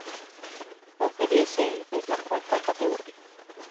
La "Serie C" es la cuarta categoría.